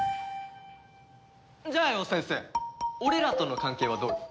じゃあよ先生俺らとの関係はどうよ？